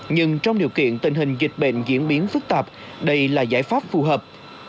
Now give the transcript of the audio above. nhưng trong điều kiện tình hình dịch bệnh diễn biến phức tạp đây là giải pháp phù hợp